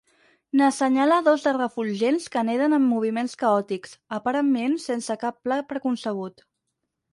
N'assenyala dos de refulgents que neden amb moviments caòtics, aparentment sense cap pla preconcebut.